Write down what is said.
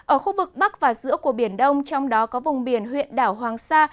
ở khu vực bắc và giữa của biển đông trong đó có vùng biển huyện đảo hoàng sa